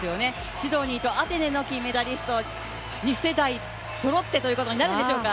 シドニーとアテネの金メダリスト２世代そろってということになるのでしょうか。